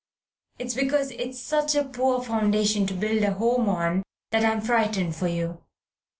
It's because it's such a poor foundation to build a home on that I am frightened for you.